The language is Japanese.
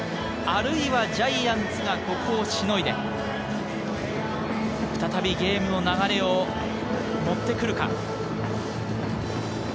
あるいはジャイアンツがここをしのいで、再びゲームの流れを持ってくるか。